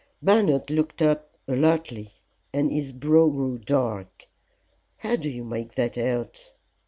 Bernard looked up alertly, and his brow grew dark. "How do you make that out?"